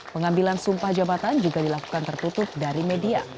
pengambilan sumpah jabatan juga dilakukan tertutup dari media